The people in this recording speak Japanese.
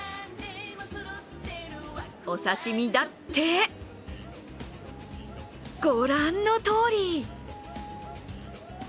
お刺身だって、ご覧のとおり。